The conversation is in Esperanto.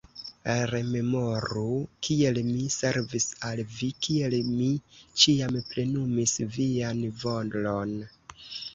Rememoru, kiel mi servis al vi, kiel mi ĉiam plenumis vian volon.